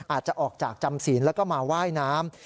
อาจจะออกจากจำศีลแล้วก็มาว่ายน้ำ